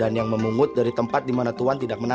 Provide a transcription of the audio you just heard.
dan yang memungut di tempat di mana tuan tidak menabur